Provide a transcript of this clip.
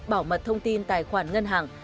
bảo mật thông tin tài khoản ngân hàng